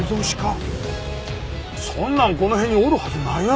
そんなんこの辺におるはずないやろ。